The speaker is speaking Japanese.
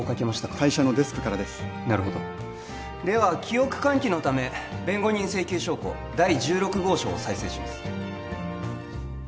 会社のデスクからですなるほどでは記憶喚起のため弁護人請求証拠第十六号証を再生します